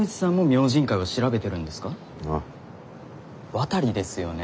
渡ですよね？